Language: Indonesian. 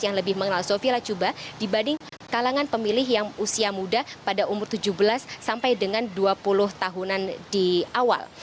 yang lebih mengenal sofie lacuba dibanding kalangan pemilih yang usia muda pada umur tujuh belas sampai dengan dua puluh tahunan di awal